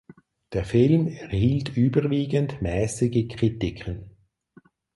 Der Film erhielt überwiegend mäßige Kritiken.